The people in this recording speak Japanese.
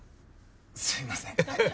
すいません。